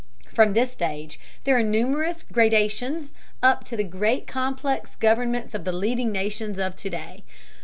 From this stage there are numerous gradations up to the great complex governments of the leading nations of to day.